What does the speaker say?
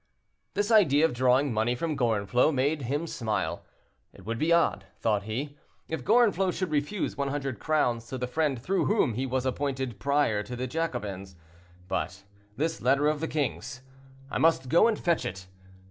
This idea of drawing money from Gorenflot made him smile. "It would be odd," thought he, "if Gorenflot should refuse 100 crowns to the friend through whom he was appointed prior to the Jacobins. But this letter of the king's. I must go and fetch it.